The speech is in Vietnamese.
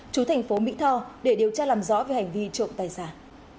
chú thành phố mỹ tho để điều tra làm rõ về hành vi trộm tài sản